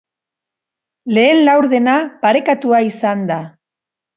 Lehen laurdena parekatua izan da.